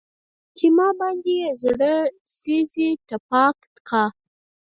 چې ما باندې يې زړه سيزي تپاک کا